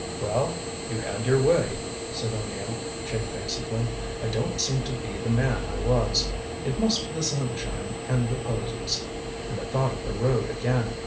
"Well you had your way," said O'Neill, shamefacedly. "I don't seem to be the man I was. It must be the sunshine and the posies. And the thought of the road again."